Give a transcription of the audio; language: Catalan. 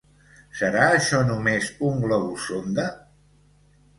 Serà això només un globus sonda?